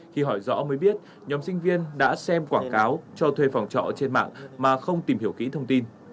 khi hỏi rõ mới biết nhóm sinh viên đã xem quảng cáo cho thuê phòng trọ trên mạng mà không tìm hiểu kỹ thông tin